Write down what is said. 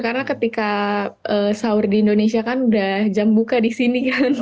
karena ketika sahur di indonesia kan udah jam buka di sini kan